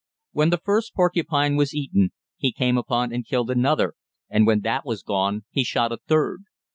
When the first porcupine was eaten, he came upon and killed another, and when that was gone, he shot a third.